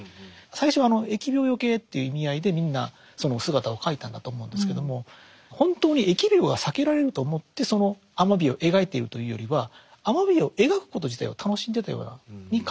最初あの疫病よけっていう意味合いでみんなその姿を描いたんだと思うんですけどもほんとに疫病が避けられると思ってそのアマビエを描いてるというよりはアマビエを描くこと自体を楽しんでたようなに感じるんですね。